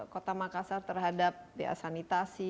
kota makassar terhadap ya sanitasi